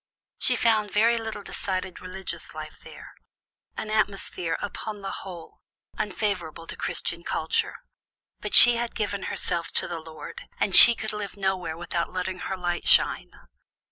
She found very little decided religious life there an atmosphere, upon the whole, unfavorable to Christian culture. But she had given herself to the Lord, and she could live nowhere without letting her light shine.